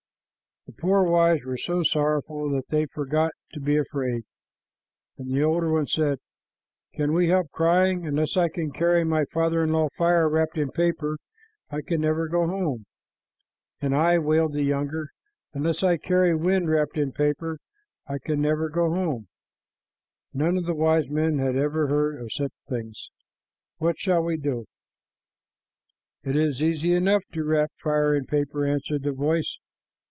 The poor wives were so sorrowful that they forgot to be afraid, and the older one said, "Can we help crying? Unless I can carry to my father in law fire wrapped in paper, I can never go home." "And I," wailed the younger, "unless I can carry wind wrapped in paper, I can never go home. None of the wise men ever heard of such things. What shall we do?" "It is easy enough to wrap fire in paper," answered the voice.